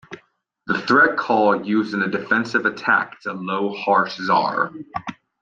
The threat call used in defensive attack is a low harsh zaar.